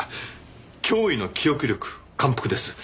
驚異の記憶力感服です。